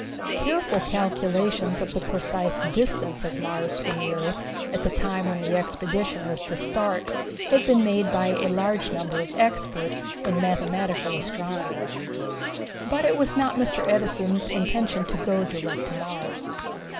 Careful calculations of the precise distance of Mars from the earth at the time when the expedition was to start had been made by a large number of experts in mathematical astronomy. But it was not Mr. Edison's intention to go direct to Mars.